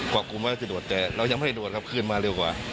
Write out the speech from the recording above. กล่อกลุ่มว่าจะโดดแต่เรายังไม่ได้โดดครับขึ้นมาเร็วกว่า